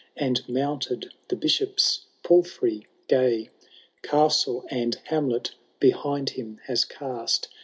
And momited the Bishop's palfrey gay. Castle and hamlet behind him has cast.